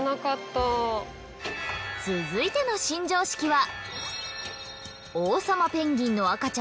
続いての新常識は。